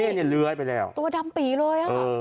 นี่ตัวดำปีเลย